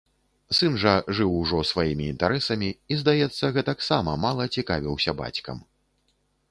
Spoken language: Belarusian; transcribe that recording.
Сын жа жыў ужо сваімі інтарэсамі і, здаецца, гэтаксама мала цікавіўся бацькам.